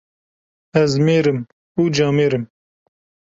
Ez mêr im û camêr im.